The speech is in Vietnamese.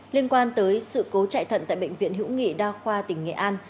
liên quan tới sự cố chạy thận tại bệnh viện hữu nghị đa khoa tỉnh nghệ an